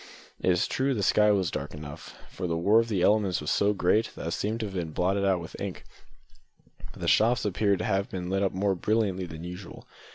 It is true the sky was dark enough, for the war of elements was so great that it seemed to have been blotted out with ink, but the shops appeared to have been lit up more brilliantly than usual.